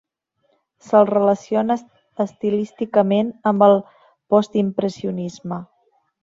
Se'l relaciona estilísticament amb el postimpressionisme.